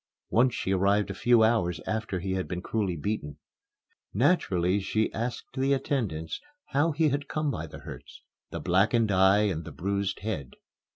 Once she arrived a few hours after he had been cruelly beaten. Naturally she asked the attendants how he had come by the hurts the blackened eye and bruised head.